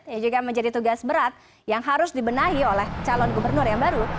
yang juga menjadi tugas berat yang harus dibenahi oleh calon gubernur yang baru